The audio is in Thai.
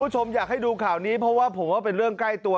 คุณผู้ชมอยากให้ดูข่าวนี้เพราะว่าผมว่าเป็นเรื่องใกล้ตัว